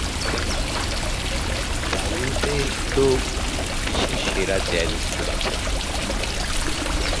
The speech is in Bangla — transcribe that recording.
কেন, বায়উতে তো বিশ্বের সেরা জ্যাজ স্কুল আছে।